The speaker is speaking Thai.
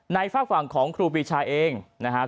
ในฝากฝั่งของครูบีชายเองนะฮะ